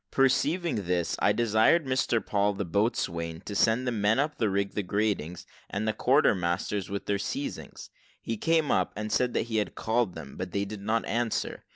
Perceiving this, I desired Mr Paul, the boatswain, to send the men up to rig the gratings, and the quarter masters with their seizings. He came up, and said that he had called them, but that they did not answer.